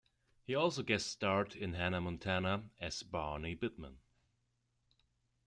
He also guest-starred in "Hannah Montana" as Barny Bittmen.